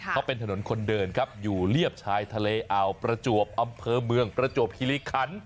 เขาเป็นถนนคนเดินครับอยู่เรียบชายทะเลอ่าวประจวบอำเภอเมืองประจวบคิริคัน